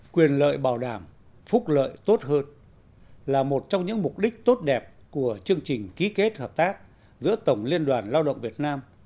quyền lợi bảo đảm phúc lợi tốt hơn là một trong những mục đích tốt đẹp của chương trình ký kết hợp tác giữa tổng liên đoàn lao động việt nam